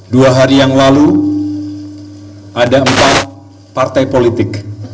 dua hari yang lalu ada empat partai politik